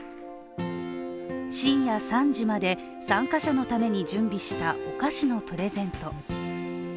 深夜３時まで、参加者のために準備したお菓子のプレゼント。